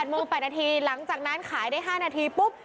โมง๘นาทีหลังจากนั้นขายได้๕นาทีปุ๊บ